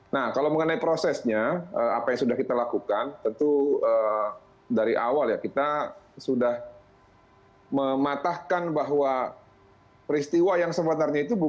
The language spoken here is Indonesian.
nah kalau mengenai prosesnya apa yang sudah kita lakukan tentu dari awal ya kita sudah mematahkan bahwa peristiwa yang sebenarnya itu bukan